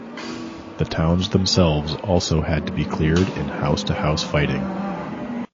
The towns themselves also had to be cleared in house-to-house fighting.